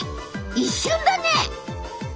一瞬だね！